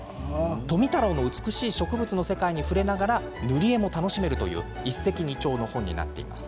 富太郎の美しい植物の世界に触れながら塗り絵も楽しめるという一石二鳥の本になっています。